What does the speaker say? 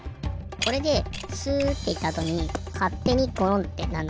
これでスッていったあとにかってにゴロンってなるの。